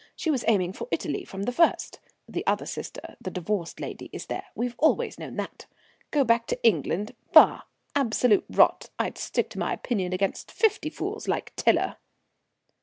She was aiming for Italy from the first; the other sister, the divorced lady, is there; we've always known that. Go back to England! Bah! absolute rot. I'd stick to my opinion against fifty fools like Tiler."